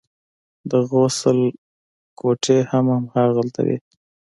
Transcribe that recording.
د غسل کوټې هم هماغلته وې.